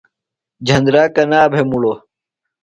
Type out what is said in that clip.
جھندرا کنا بھےۡ مُڑوۡ ؟